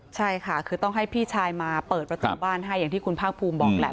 ใช่ค่ะคือต้องให้พี่ชายมาเปิดประตูบ้านให้อย่างที่คุณภาคภูมิบอกแหละ